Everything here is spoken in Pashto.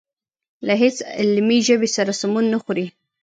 له هېڅ علمي ژبې سره سمون نه خوري.